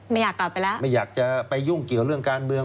อยากกลับไปแล้วไม่อยากจะไปยุ่งเกี่ยวเรื่องการเมือง